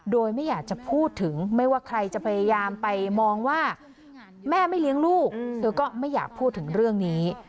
โดยไม่อยากจะพูดถึงไม่ว่าใครจะพยายามไปมองว่าแม่ไม่เลี้ยงลูกเธอก็ไม่อยากพูดถึงเรื่องนี้